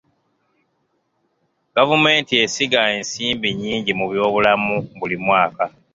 Gavumenti esiga ensimbi nnyingi mu by'obulamu buli mwaka.